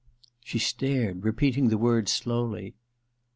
* She stared, repeating the words slowly.